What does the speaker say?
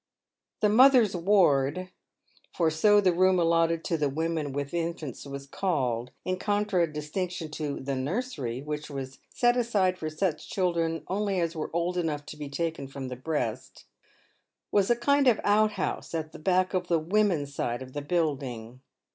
The " mothers' ward" (for so the room allotted to the women with infants was calL_~ i^ contradistinction to " the nursery," which was set aside for such children only as were old enough to be taken from the breast) was a kind of outhouse at the back of the " women's side" of the building.